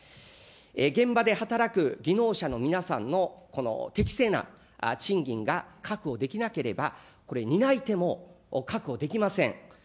現場で働く技能者の皆さんの適正な賃金が確保できなければ、これ、担い手も確保できません。